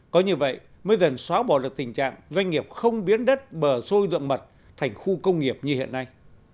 có như vậy mới dần xóa bỏ được tình trạng doanh nghiệp không biến đất bờ sôi rộng mật thành khu công nghiệp như hiện nay